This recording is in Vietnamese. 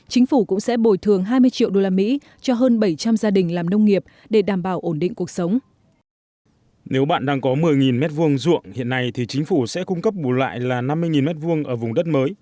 chính phủ cũng sẽ bồi thường hai mươi triệu đô la mỹ cho hơn bảy trăm linh gia đình làm nông nghiệp để đảm bảo ổn định cuộc sống